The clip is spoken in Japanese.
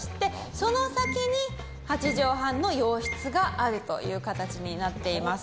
その先に８帖半の洋室があるという形になっています。